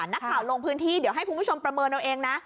ลงพื้นที่เดี๋ยวให้คุณผู้ชมประเมินเอาเองนะ